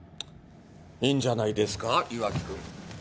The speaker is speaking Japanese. いいんじゃないですか磐城くん。